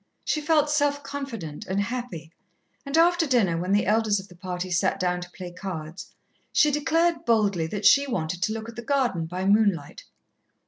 She felt self confident and happy, and after dinner, when the elders of the party sat down to play cards, she declared boldly that she wanted to look at the garden by moonlight.